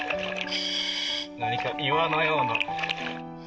何か、岩のような。